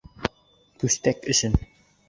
Пүстәк өсөн!